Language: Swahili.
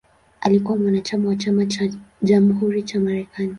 Alikuwa mwanachama wa Chama cha Jamhuri cha Marekani.